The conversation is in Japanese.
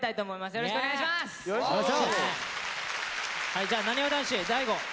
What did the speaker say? はいじゃあなにわ男子大吾。